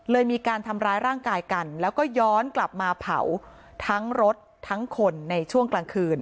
มีการทำร้ายร่างกายกันแล้วก็ย้อนกลับมาเผาทั้งรถทั้งคนในช่วงกลางคืน